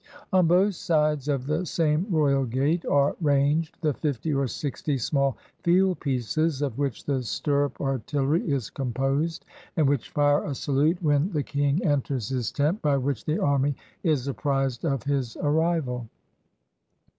On both sides of the same royal gate are ranged the fifty or sixty small field pieces of which the stirrup artillery is composed, and which fire a salute when the 132 ON THE MARCH WITH AURUNGZEBE king enters his tent, by which the army is apprised of his arrival.